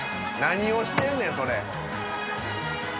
何をしてんねんそれ。